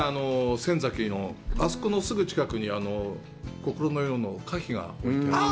仙崎のあそこのすぐ近くに「心の色」の歌碑が置いてあって。